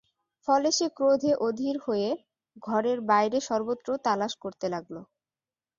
ফলে সে ক্রোধে অধীর হয়ে ঘরে বাইরে সর্বত্র তালাশ করতে লাগল।